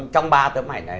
trong ba tấm ảnh này